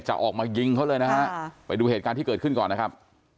ออกมายิงเขาเลยนะฮะไปดูเหตุการณ์ที่เกิดขึ้นก่อนนะครับ